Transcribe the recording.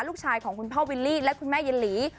ลูกชายของคุณพ่อวิลลี่และคุณแม่เย็นหลี